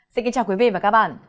xin kính chào quý vị và các bạn